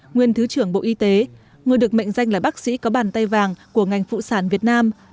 nguyên thứ trưởng bộ y tế người được mệnh danh là bác sĩ có bàn tay vàng của ngành phụ sản việt nam